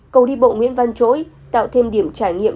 cầu đi bộ nguyễn văn chỗi tạo thêm điểm trải nghiệm